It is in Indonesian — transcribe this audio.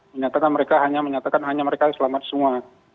menyatakan mereka hanya menyatakan hanya mereka yang selamat semua